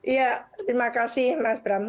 ya terima kasih mas bram